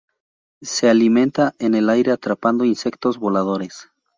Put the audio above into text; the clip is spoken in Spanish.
Se alimenta en el aire atrapando insectos voladores.